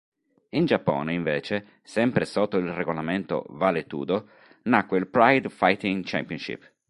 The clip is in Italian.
In Giappone, invece, sempre sotto il regolamento "vale tudo", nacque il Pride Fighting Championship.